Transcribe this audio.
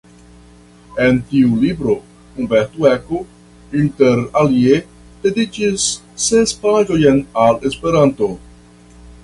En tiu libro Umberto Eco inter alie dediĉis ses paĝojn al Esperanto.